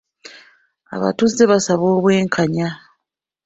Abatuuze baasaba obwenkanya.